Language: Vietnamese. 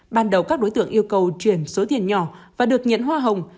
ban đầu các đối tượng yêu cầu chuyển số tiền nhỏ và được nhận hoa hồng